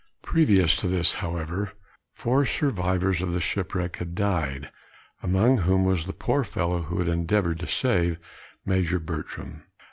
Previous to this, however, four survivors of the shipwreck had died, among whom was the poor fellow who had endeavored to save Major Bertram.